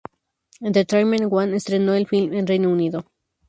Entertainment One estreno el film en Reino Unido.